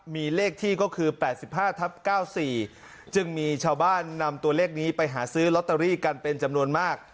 มีเลขที่ก็คือ๘๕ทับ๙๔จึงมีชาวบ้านนำตัวเลขนี้ไปหาซื้อลอตเตอรี่กันเป็นจำนวนมาก